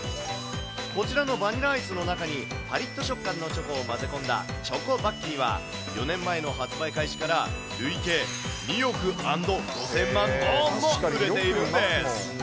こちらのバニラアイスの中にぱりっと食感のチョコを混ぜ込んだチョコバッキーは、４年前の発売開始から累計２億＆５０００万本も売れているんです。